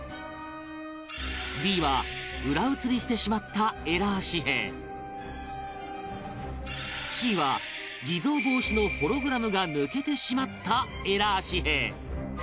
Ｂ は裏写りしてしまったエラー紙幣Ｃ は偽造防止のホログラムが抜けてしまったエラー紙幣